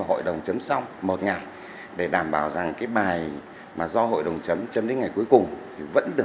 ở tất cả sáu mươi ba tỉnh thành phố